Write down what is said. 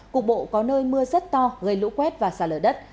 cục bộ có nơi mưa rất to gây lũ quét và xả lở đất